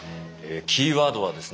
キーワードはですね